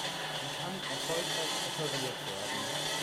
Sie kann erfolgreich operiert werden.